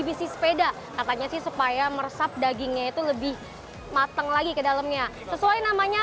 bisi sepeda katanya sih supaya meresap dagingnya itu lebih mateng lagi ke dalamnya sesuai namanya